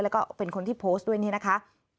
แล้วก็เป็นคนที่โพสต์ด้วยนี่นะคะ